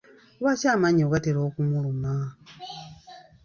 Lwaki amannyo gatera okumuluma?